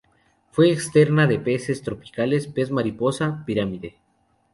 Fuente externa de peces tropicales: Pez mariposa pirámide